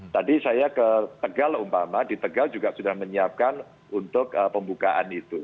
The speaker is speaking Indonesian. tadi saya ke tegal umpama di tegal juga sudah menyiapkan untuk pembukaan itu